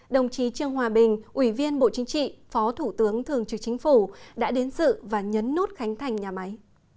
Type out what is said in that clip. đồng chí trương hòa bình ủy viên bộ chính trị phó thủ tướng thường trực chính phủ đã đến dự và nhấn nút khánh thành nhà máy